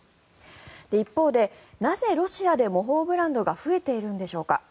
一方で、なぜロシアで模倣ブランドが増えているんでしょうか。